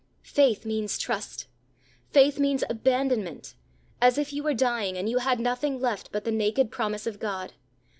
Faith means TRUST faith means ABANDONMENT as if you were dying, and you had nothing left but the naked promise of God.